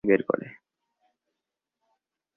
ফালতু খাঁচাটা থেকে বের কর!